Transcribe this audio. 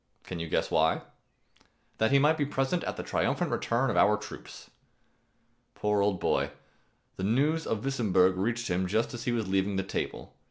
Can you guess why? That he might be present at the triumphant return of our troops. Poor old boy! The news of Wissemburg reached him just as he was leaving the table.